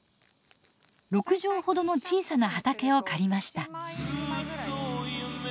６畳ほどの小さな畑を借りました。